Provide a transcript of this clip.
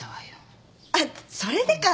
あっそれでか。